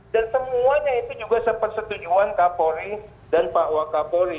dan semuanya itu juga sepersetujuan kak polri dan pak wak kapolri